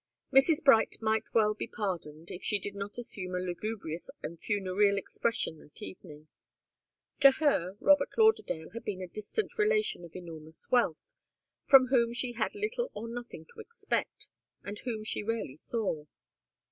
Mrs. Bright might well be pardoned if she did not assume a lugubrious and funereal expression that evening. To her, Robert Lauderdale had been a distant relation of enormous wealth, from whom she had little or nothing to expect, and whom she rarely saw.